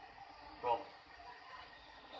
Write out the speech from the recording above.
มีแล้วสุนะ